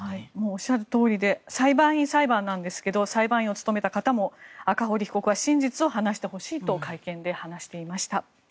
おっしゃるとおりで裁判員裁判なんですが裁判員を務めた方も赤堀被告は真実を話してほしいと会見で話していました。